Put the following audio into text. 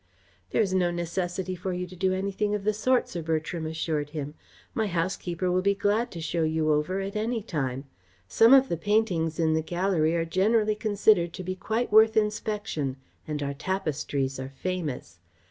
"There is no necessity for you to do anything of the sort," Sir Bertram assured him. "My housekeeper will be glad to show you over at any time. Some of the paintings in the gallery are generally considered to be quite worth inspection, and our tapestries are famous.